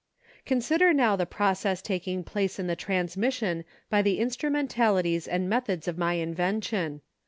Consider now the process taking place in the transmission by the instrumentalities and methods of my invention.